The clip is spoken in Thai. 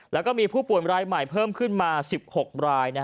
แล้วก็มีผู้ป่วยรายใหม่เพิ่มขึ้นมา๑๖ราย